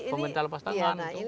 pemerintah lepas tangan